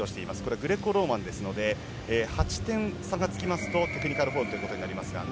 グレコローマンですので８点差がつきますとテクニカルフォールということになります。